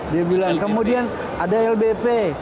dia bilang kemudian ada lbp